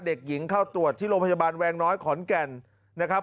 เด็กหญิงเข้าตรวจที่โรงพยาบาลแวงน้อยขอนแก่นนะครับ